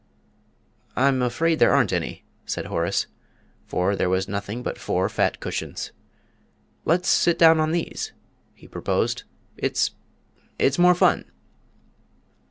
"I'm afraid there aren't any," said Horace, for there was nothing but four fat cushions. "Let's sit down on these," he proposed. "It it's more fun!"